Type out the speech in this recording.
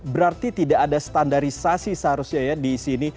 berarti tidak ada standarisasi seharusnya ya di sini